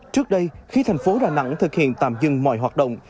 trước đây khi thành phố đà nẵng thực hiện tạm dừng mọi hoạt động